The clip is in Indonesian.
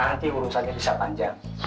nanti urusannya bisa panjang